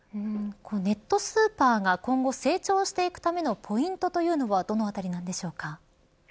ネットスーパーが今後成長していくためのポイントというのはどのあたりでしょうか。